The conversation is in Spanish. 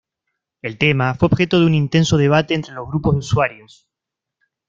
El tema fue objeto de un intenso debate entre los grupos de usuarios.